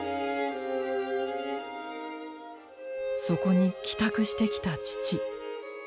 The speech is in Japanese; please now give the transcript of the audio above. そこに帰宅してきた父。